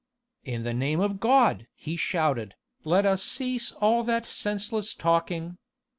"In the name of God!" he shouted, "let us cease all that senseless talking.